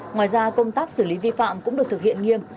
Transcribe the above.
ngoài ra công tác xử lý vi phạm cũng được thực hiện nghiêm